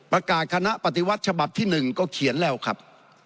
คณะปฏิวัติฉบับที่๑ก็เขียนแล้วครับ